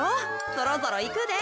そろそろいくで。